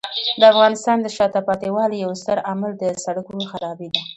د افغانستان د شاته پاتې والي یو ستر عامل د سړکونو خرابۍ دی.